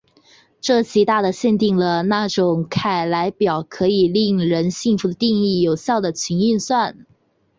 这极大的限定了那种凯莱表可以令人信服的定义有效的群运算。